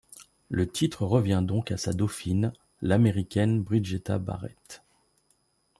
Le titre revient donc à sa dauphine, l'Américaine Brigetta Barrett.